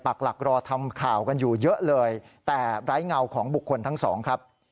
หลักรอทำข่าวกันอยู่เยอะเลยแต่ไร้เงาของบุคคลทั้งสองครับ